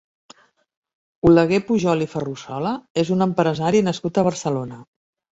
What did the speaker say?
Oleguer Pujol i Ferrusola és un empresari nascut a Barcelona.